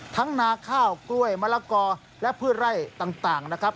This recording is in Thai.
นาข้าวกล้วยมะละกอและพืชไร่ต่างนะครับ